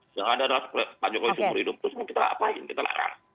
yang ada adalah pak jokowi seumur hidup terus mau kita apain kita larang